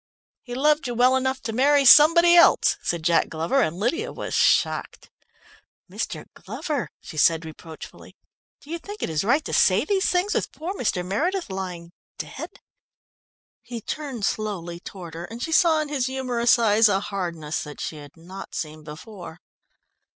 "He loved you well enough to marry somebody else," said Jack Glover, and Lydia was shocked. "Mr. Glover," she said reproachfully, "do you think it is right to say these things, with poor Mr. Meredith lying dead?" He turned slowly toward her, and she saw in his humorous eyes a hardness that she had not seen before.